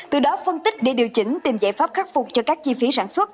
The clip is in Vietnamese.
từ đó phân tích để điều chỉnh tìm giải pháp khắc phục cho các chi phí sản xuất